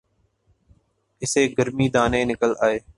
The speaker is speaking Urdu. اسے گرمی دانے نکل آئے